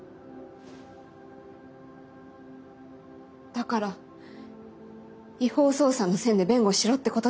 だから違法捜査の線で弁護しろってことですか？